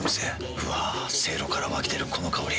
うわせいろから湧き出るこの香り。